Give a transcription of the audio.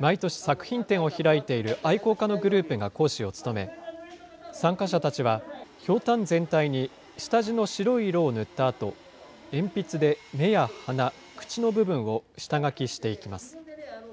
毎年作品展を開いている愛好家のグループが講師を務め、参加者たちは、ひょうたん全体に下地の白い色を塗ったあと、鉛筆で目や鼻、口の部分を下書きしていきます。